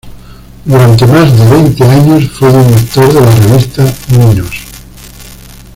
Durante más de veinte años fue director de la revista "Minos.